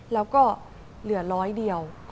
แล้วก็เหลือร้อยเดียว